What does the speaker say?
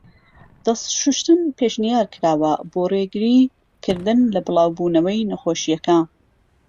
دەست شووشتن پێشنیارکراوە بۆ ڕێگری کردن لە بڵاو بوونەوەی نەخۆشیەکە.